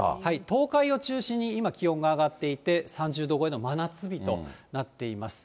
東海を中心に、今気温が上がっていて、３０度超えの真夏日となっています。